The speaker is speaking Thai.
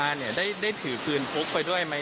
ใช่ค่ะถ่ายรูปส่งให้พี่ดูไหม